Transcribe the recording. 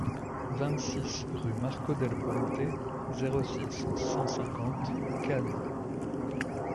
vingt-six rue Marco del Ponte, zéro six, cent cinquante Cannes